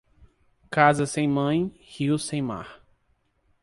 Casa sem mãe, rio sem mar.